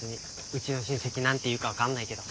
うちの親戚何て言うか分かんないけど。